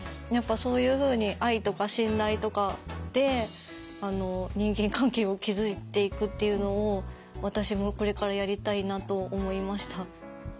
やっぱそういうふうに愛とか信頼とかで人間関係を築いていくっていうのを私もこれからやりたいなと思いました。